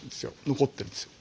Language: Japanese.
残ってるんです。